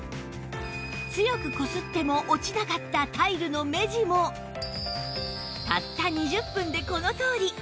強くこすっても落ちなかったタイルの目地もたった２０分でこのとおり